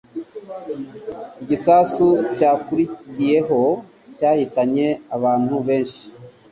Igisasu cyakurikiyeho cyahitanye abantu benshi.